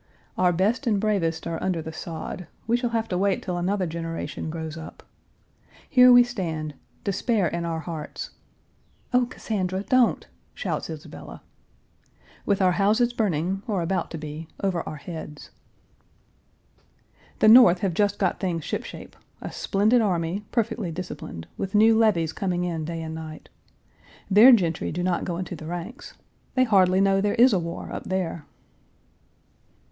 Our best and bravest are under the sod; we shall have to wait till another generation grows up. Here we stand, despair in our hearts ("Oh, Cassandra, don't!" shouts Isabella), with our houses burning or about to be, over our heads. Page 336 The North have just got things ship shape; a splendid army, perfectly disciplined, with new levies coming in day and night. Their gentry do not go into the ranks. They hardly know there is a war up there.